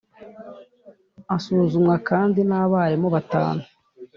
asuzumwa kandi nabarimu batanu.